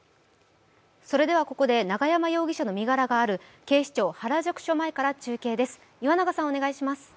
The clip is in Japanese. ここで永山容疑者の身柄がある警視庁原宿署前から中継です。